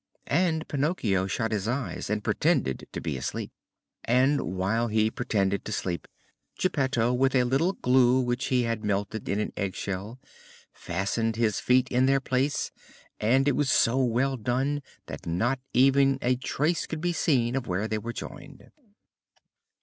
And Pinocchio shut his eyes and pretended to be asleep. And whilst he pretended to sleep, Geppetto, with a little glue which he had melted in an egg shell, fastened his feet in their place, and it was so well done that not even a trace could be seen of where they were joined.